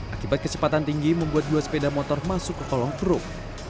akibat kecepatan tinggi membuat dua sepeda motor masuk ke kolong truk